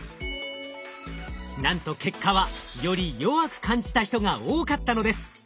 なんと結果はより弱く感じた人が多かったのです。